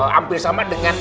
hampir sama dengan